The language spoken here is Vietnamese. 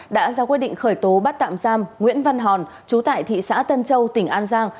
đã ra quyết định khởi tố bắt tạm giam nguyễn văn hòn chú tại thị xã tân châu tỉnh an giang